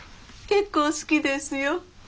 結構好きですよ。